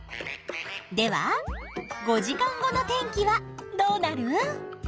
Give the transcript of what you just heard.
では５時間後の天気はどうなる？